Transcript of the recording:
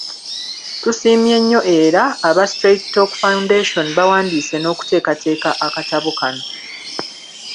Tusiimye nnyo era, aba Straight Talk Foundation, bawandiise n'okuteekateeka akatabo kano.